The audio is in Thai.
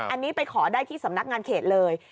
อันนี้ไปขอได้ที่สำนักงานเขตเลย